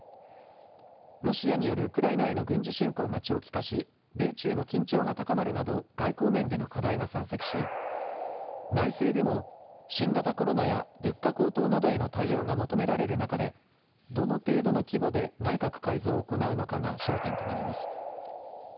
ロシアによるウクライナへの軍事侵攻が長期化し米中の緊張が高まるなど外交面での課題が山積し内政でも新型コロナや物価高騰などへの対応が求められる中で、どの程度の規模で内閣改造を行うのかが焦点となります。